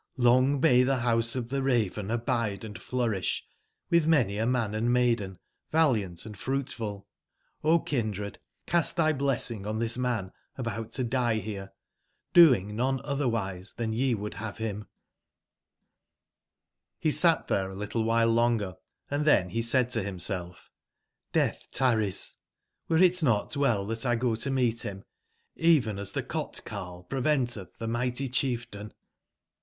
Long may tbe Rouse of tbe Raven abide & flourisb, witb many a man and maiden, valiant and fruitful! O kindred, cast tby blessing on tbis man about to die bere, doing n one otberwise tban ye would bave bim t " C sat tbere a little wbile longer, and tben be said to bimself :''Deatb tarries; were it not well tbat 1 go to meet bim, even as tbe cot carle preventetb tbe migbty cbieftain?"